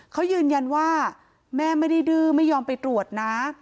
เขายืนยันว่าแม่ไม่ได้ดื้อไม่ยอมไปตรวจนะ